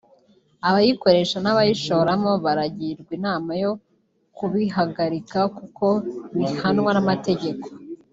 Abayikoresha n’abayishoramo baragirwa inama yo kubihagarika kuko bihanwa n’amategeko